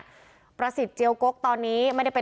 คุณประสิทธิ์ทราบรึเปล่าคะว่า